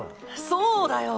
そうだよ。